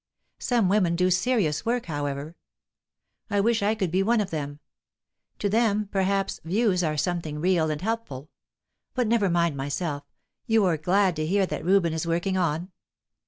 Some women do serious work, however; I wish I could be one of them. To them, perhaps, 'views' are something real and helpful. But never mind myself; you were glad to hear that Reuben is working on?"